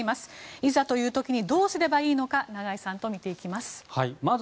いざという時にどうすればいいのか長井さんと見ていきます。